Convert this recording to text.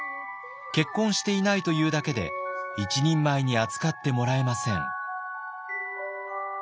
結婚していないというだけで一人前に扱ってもらえません。